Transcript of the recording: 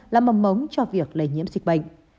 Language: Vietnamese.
là mầm mống cho việc lây nhiễm dịch bệnh